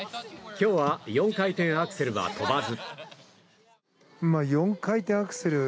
今日は４回転アクセルは跳ばず。